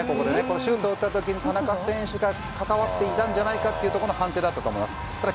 シュートを打った時に田中選手が固まっていたんじゃないかというところの判定じゃないかと思います。